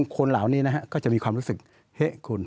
คนเหล่านี้นะฮะก็จะมีความรู้สึกเฮะคุณ